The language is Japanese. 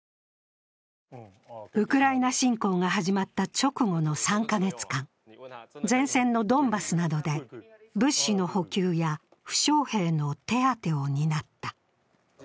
ウクライナ侵攻が始まった直後の３か月間、前線のドンバスなどで物資の補給や負傷兵の手当を担った。